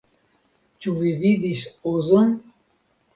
Ĉu vi vidis Ozon?